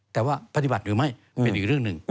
แต่ว่าปฏิบัติหรือไม่เป็นอีกเรื่องหนึ่ง